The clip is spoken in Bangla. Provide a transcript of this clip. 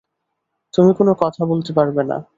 তুমি কোনো কথা বলতে পারবে না।